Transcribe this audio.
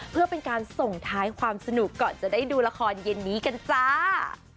เพื่อเป็นการส่งท้ายความสนุกก่อนจะได้ดูละครเย็นนี้กันจ้า